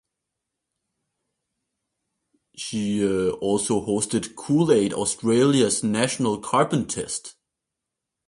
She also hosted Cool Aid Australia's National Carbon Test.